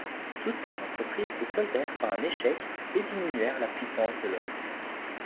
Toutes ces entreprises se soldèrent par un échec et diminuèrent la puissance de l'ordre.